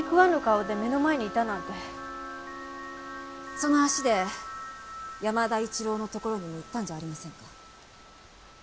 その足で山田一郎の所にも行ったんじゃありませんか？